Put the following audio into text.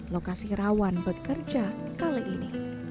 lokasi rawan bekerja kali ini